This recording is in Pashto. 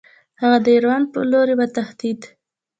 هغه د ایران په لوري وتښتېد.